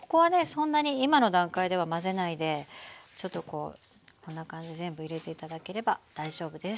そんなに今の段階では混ぜないでちょっとこうこんな感じで全部入れて頂ければ大丈夫です。